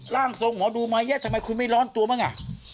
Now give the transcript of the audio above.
ร่างทรงหมอดูมาเยอะทำไมคุณไม่ร้อนตัวบ้างอ่ะ